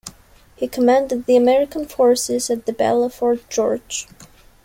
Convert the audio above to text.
He commanded the American forces at the Battle of Fort George.